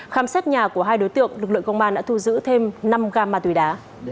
khám xét nhà của hai đối tượng lực lượng công an đã thu giữ thêm năm gam ma túy đá